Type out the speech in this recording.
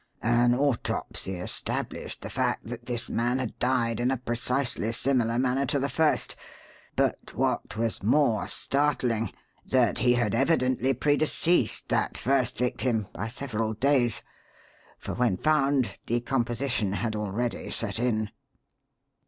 An autopsy established the fact that this man had died in a precisely similar manner to the first, but, what was more startling, that he had evidently pre deceased that first victim by several days; for, when found, decomposition had already set in."